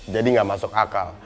jadi gak masuk akal